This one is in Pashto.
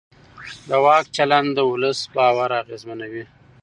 د واک چلند د ولس باور اغېزمنوي